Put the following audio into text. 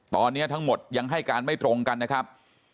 ตอนนี้ทั้งหมดยังให้การไม่ตรงกันนะครับ